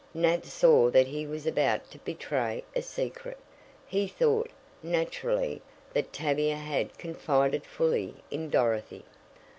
Nat saw that he was about to betray a secret. He thought, naturally, that Tavia had confided fully in Dorothy.